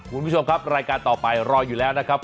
คุณผู้ชมครับรายการต่อไปรออยู่แล้วนะครับ